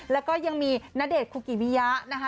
แล้วก็ยังมีณเดชนคุกิมิยะนะคะ